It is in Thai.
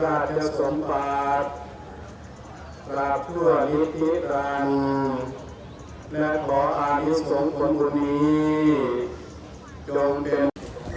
พระราชสมปัตย์ราบเพื่อนิติรันต์และบ่ออนิสงคลมกุณีย่งเป็น